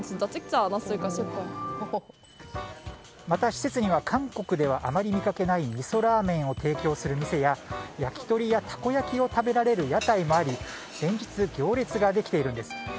また、施設には韓国ではあまり見かけないみそラーメンを提供する店や焼き鳥やたこ焼きを食べられる屋台もあり連日、行列ができているんです。